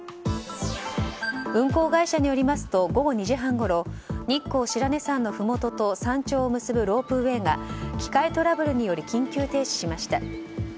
運行会社によりますと午後２時半ごろ日光白根山のふもとと山頂を結ぶロープウェーが機械トラブルにより緊急停止しました。